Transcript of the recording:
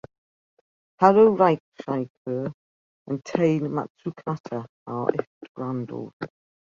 Haru Reischauer and Tane Matsukata are his granddaughters.